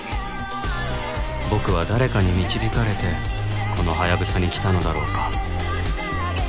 僕は誰かに導かれてこのハヤブサに来たのだろうか